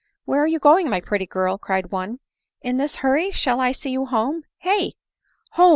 " Where are you going, my pretty girl," cried one, "in this hurry? shall I see you home? hey!" " Home